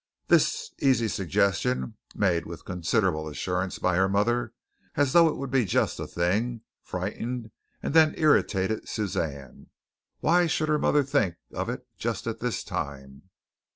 This easy suggestion, made with considerable assurance by her mother, and as though it would be just the thing, frightened and then irritated Suzanne. Why should her mother think of it just at this time?